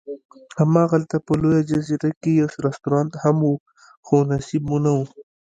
هماغلته په لویه جزیره کې یو رستورانت هم و، خو نصیب مو نه و.